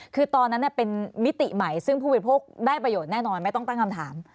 คือตอนนั้นเป็นมิติใหม่ซึ่งผู้บริโภคได้ประโยชน์แน่นอนไม่ต้องตั้งคำถาม